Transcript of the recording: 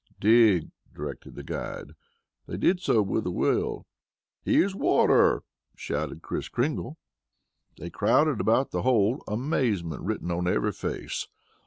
"Dig," directed the guide. They did so with a will. "Here's water!" shouted Kris Kringle. They crowded about the hole, amazement written on every face.